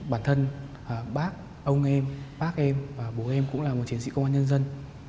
bản thân bác ông em bác em và bố em cũng là một chiến sĩ công an nhân dân